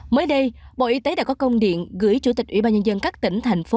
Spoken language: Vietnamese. mới đây bộ y tế đã có công điện gửi chủ tịch ủy ban nhân dân các tỉnh thành phố